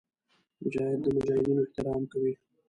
مجاهد د مجاهدینو احترام کوي.